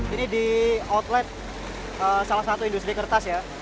ini di outlet salah satu industri kertas ya